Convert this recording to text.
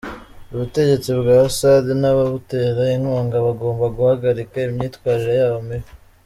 Ubutegetsi bwa Assad n’ababutera inkunga bagomba guhagarika imyitwarire yabo mibi.